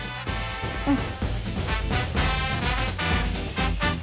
うん。